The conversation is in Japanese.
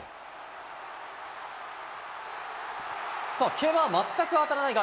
競馬は全く当たらないが、